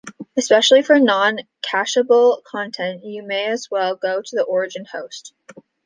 Especially for non-cacheable content, you may as well go to the origin host.